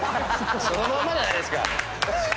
そのまんまじゃないですか。